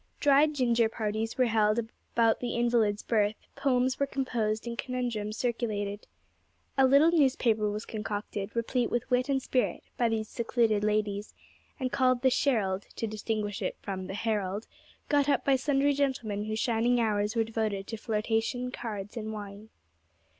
Dried ginger parties were held about the invalid's berth, poems were composed, and conundrums circulated. A little newspaper was concocted, replete with wit and spirit, by these secluded ladies, and called the 'Sherald,' to distinguish it from the 'Herald,' got up by sundry gentlemen whose shining hours were devoted to flirtation, cards, and wine.